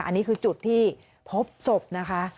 อันนี้คือจุดที่พบศพนะคะ